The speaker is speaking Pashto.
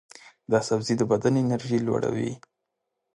دا سبزی د بدن انرژي لوړوي.